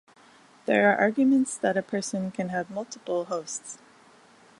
There are arguments that a person can have multiple hosts.